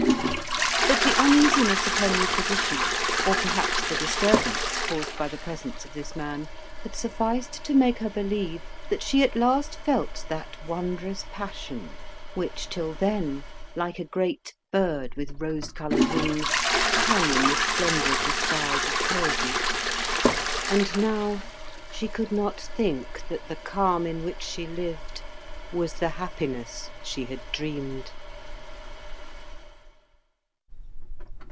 But the uneasiness of her new position, or perhaps the disturbance caused by the presence of this man, had sufficed to make her believe that she at last felt that wondrous passion which, till then, like a great bird with rose coloured wings, hung in the splendour of the skies of poesy; and now she could not think that the calm in which she lived was the happiness she had dreamed.